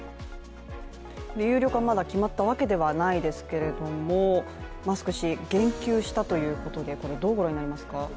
有料化はまだ決まったわけではないですけれども、マスク氏言及したということでこれ、どうご覧になりますか？